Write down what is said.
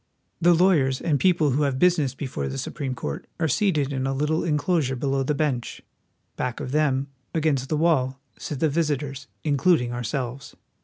34 WASHINGTON. The lawyers and people who have business before the Supreme Court are seated in a little inclosure below the bench. Back of them, against the wall, sit the visitors, including ourselves.